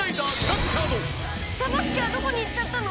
サボ助はどこに行っちゃったの？